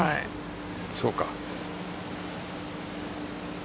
そうか。